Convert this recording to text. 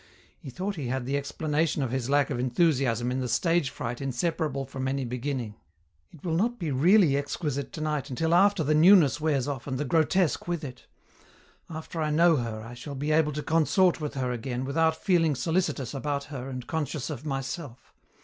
He thought he had the explanation of his lack of enthusiasm in the stage fright inseparable from any beginning. "It will not be really exquisite tonight until after the newness wears off and the grotesque with it. After I know her I shall be able to consort with her again without feeling solicitous about her and conscious of myself.